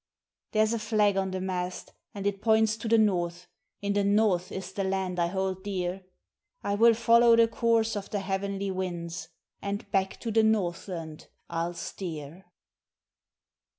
"There's a flag on the mast and it points to the North, in the North is the land I hold dear; I will follow the course of the heavenly winds, and back to the Northland I'll steer."